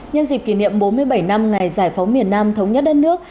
nhân dịp kỷ niệm bốn mươi bảy năm ngày giải phóng miền nam thống nhất đất nước